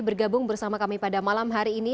bergabung bersama kami pada malam hari ini